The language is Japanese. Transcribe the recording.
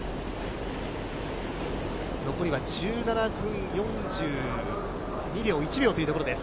残りは１７分４２秒、１秒というところです。